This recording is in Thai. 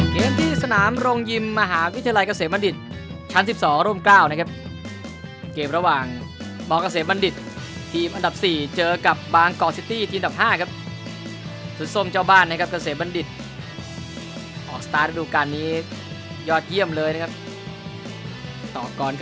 เกมที่สนามโรงยิมมหาวิทยาลัยเกษตรบัณฑิตชั้นสิบสองร่วมเก้านะครับเกมระหว่างบองเกษตรบัณฑิตทีมอันดับสี่เจอกับบางกอร์ดซิตี้ทีมอันดับห้าครับสุดส้มเจ้าบ้านนะครับเกษตรบัณฑิตออกสตาร์ทฤดูการณ์นี้ยอดเยี่ยมเลยนะครับต่อไปเกษตรบัณฑิตทีมอันดับสี่เจอกับบางกอร์ด